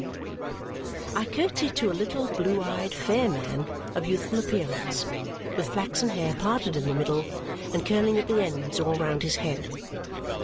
I curtsied to a little blue eyed fair man of youthful appearance with flaxen hair parted in the middle and curling at the ends all round his head.